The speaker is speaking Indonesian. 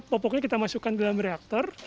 popoknya kita masukkan ke dalam reaktor